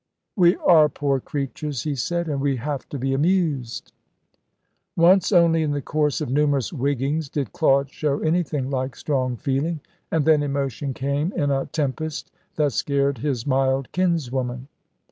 "We are poor creatures," he said, "and we have to be amused." Once only in the course of numerous "wiggings" did Claude show anything like strong feeling, and then emotion came in a tempest that scared his mild kinswoman.